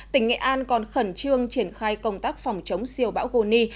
tỉnh nghệ an còn khẩn trương triển khai công tác phòng chống siêu bão goni